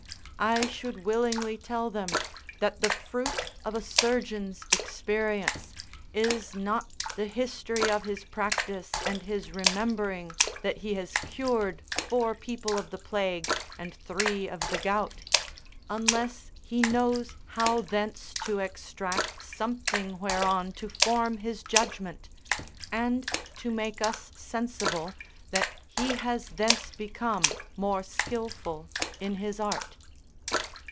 I should willingly tell them, that the fruit of a surgeon's experience, is not the history of his practice and his remembering that he has cured four people of the plague and three of the gout, unless he knows how thence to extract something whereon to form his judgment, and to make us sensible that he has thence become more skillful in his art.